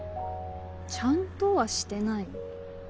ちゃんとはしてないよ。